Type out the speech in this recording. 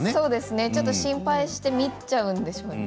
ちょっと心配して見入っちゃうんでしょうね。